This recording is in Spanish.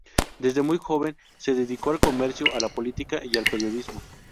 Desde muy joven se dedicó al comercio, a la política y al periodismo.